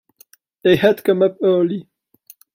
They had come up early.